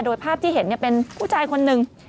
โดยภาพที่เห็นเป็นผู้ชายคนหนึ่ง